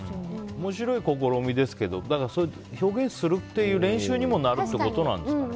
面白い試みですけど表現するっていう練習にもなるということなんですかね。